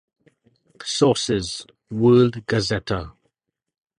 Sources : World Gazetter.